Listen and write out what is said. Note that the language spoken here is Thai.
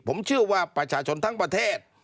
ผมเชื่อว่าประชาชนทั้งประเทศ